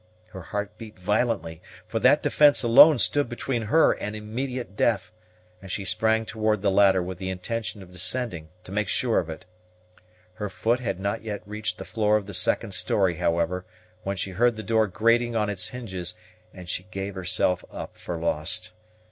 Her heart beat violently, for that defence alone stood between her and immediate death, and she sprang toward the ladder with the intention of descending to make sure of it. Her foot had not yet reached the floor of the second story, however, when she heard the door grating on its hinges, and she gave herself up for lost.